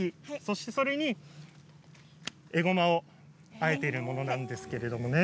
それに、えごまをあえているものなんですよね。